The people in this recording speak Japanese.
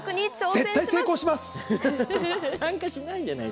絶対成功します！